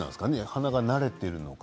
鼻が慣れているのか。